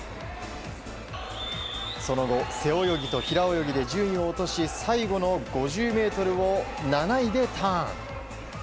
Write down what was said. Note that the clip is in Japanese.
その後、背泳ぎと平泳ぎで順位を落とし最後の５０ｍを７位でターン。